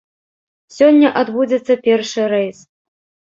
Сёння адбудзецца першы рэйс.